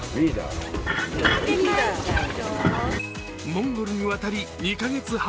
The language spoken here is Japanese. モンゴルに渡り２か月半。